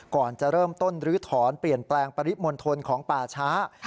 ก่อนจะเริ่มต้นลื้อถอนเปลี่ยนแปลงปริมณฑลของป่าช้า